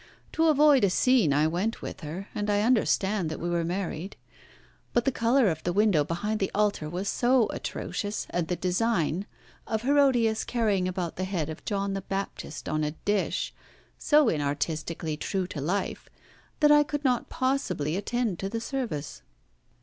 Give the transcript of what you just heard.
To avoid a scene I went with her, and I understand that we were married. But the colour of the window behind the altar was so atrocious, and the design of Herodias carrying about the head of John the Baptist on a dish so inartistically true to life, that I could not possibly attend to the service."